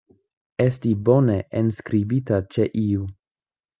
Esti bone enskribita ĉe iu.